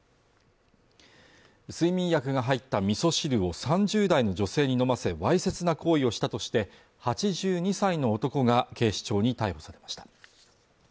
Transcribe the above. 睡眠薬が入った味噌汁を３０代の女性に飲ませわいせつな行為をしたとして８２歳の男が警視庁に逮捕されました